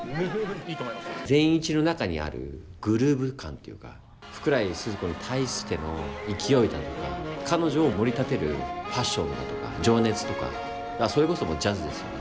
善一の中にあるグルーヴ感というか福来スズ子に対しての勢いだとか彼女をもり立てるパッションだとか情熱とかそれこそジャズですよね